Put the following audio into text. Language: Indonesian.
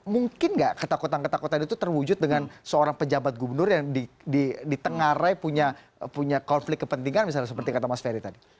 mungkin nggak ketakutan ketakutan itu terwujud dengan seorang pejabat gubernur yang ditengarai punya konflik kepentingan misalnya seperti kata mas ferry tadi